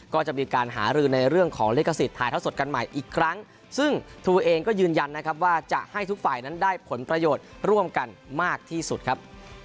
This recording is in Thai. ก็จะมีการหารือในเรื่องของลิขสิทธิ์ถ่ายเท่าสดกันใหม่อีกครั้งซึ่งทรูเองก็ยืนยันนะครับว่าจะให้ทุกฝ่ายนั้นได้ผลประโยชน์ร่วมกันมากที่สุดครับ